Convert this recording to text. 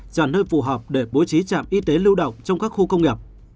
trả nơi phù hợp để bố trí trạm y tế lưu động trong các khu công nghiệp